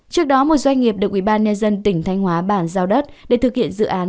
trước đó một doanh nghiệp được ubnd tỉnh thanh hóa bàn giao đất để thực hiện dự án